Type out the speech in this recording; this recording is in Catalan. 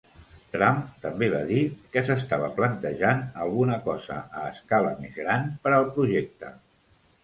Trump també va dir que s'estava plantejant "alguna cosa a escala més gran" per al projecte.